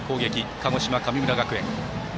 鹿児島、神村学園。